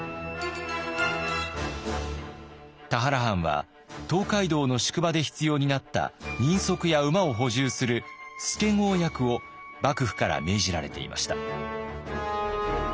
田原藩は東海道の宿場で必要になった人足や馬を補充する助郷役を幕府から命じられていました。